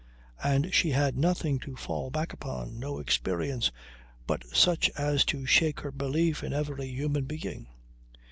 And she had nothing to fall back upon, no experience but such as to shake her belief in every human being.